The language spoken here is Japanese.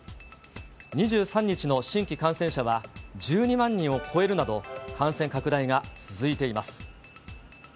２３日の新規感染者は、１２万人を超えるなど、感染拡大が続いています。